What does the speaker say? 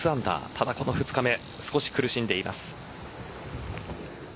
ただ、この２日目少し苦しんでいます。